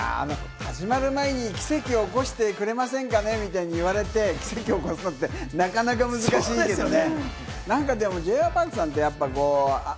始まる前に奇跡を起こしてくれませんかね、みたいに言われて奇跡を起こすのってなかなか難しいけれどもね。